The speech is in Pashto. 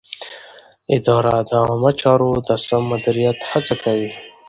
اداره د عامه چارو د سم مدیریت هڅه کوي.